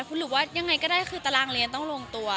คุณหรือว่ายังไงก็ได้คือตารางเรียนต้องลงตัว